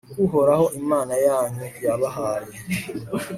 uhoraho, imana yanyu, yabahaye